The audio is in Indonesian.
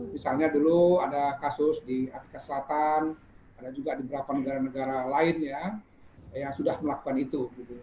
misalnya dulu ada kasus di afrika selatan ada juga di beberapa negara negara lain ya yang sudah melakukan itu